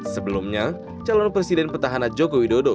sebelumnya calon presiden petahana joko widodo